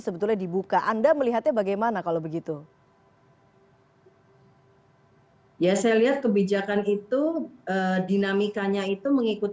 sebetulnya dibuka anda melihatnya bagaimana kalau begitu ya saya lihat kebijakan itu dinamikanya itu mengikut